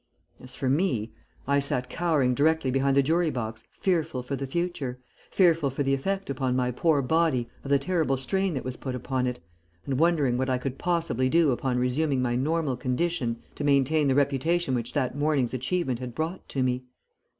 "As for me, I sat cowering directly behind the jury box fearful for the future, fearful for the effect upon my poor body of the terrible strain that was put upon it, and wondering what I could possibly do upon resuming my normal condition to maintain the reputation which that morning's achievement had brought to me.